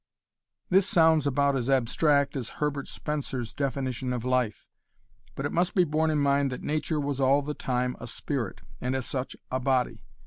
This sounds about as abstract as Herbert Spencer's definition of life, but it must be borne in mind that nature was all the time a 'spirit', and as such a body.